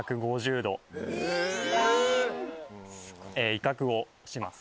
威嚇をします。